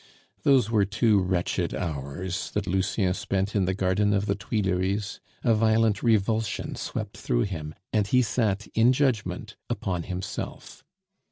Those were two wretched hours that Lucien spent in the Garden of the Tuileries. A violent revulsion swept through him, and he sat in judgment upon himself.